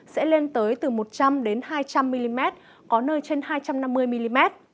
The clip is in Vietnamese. sẽ lên tới từ một trăm linh hai trăm linh mm có nơi trên hai trăm năm mươi mm